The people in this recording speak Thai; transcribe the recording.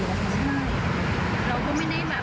เราก็ไม่ได้ร่อยมีเงินเยอะแยะ